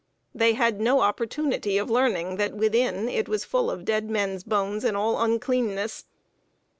They had no opportunity of learning that, within, it was full of dead men's bones and all uncleanness.